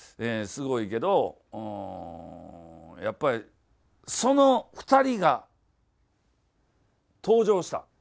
すごいけどやっぱりその２人が登場した。